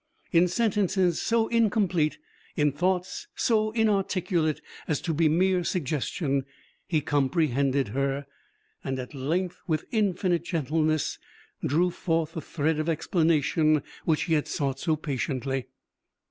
In sentences so incomplete, in thoughts so inarticulate as to be mere suggestion, he comprehended her, and at length, with infinite gentleness, drew forth the thread of explanation which he had sought so patiently.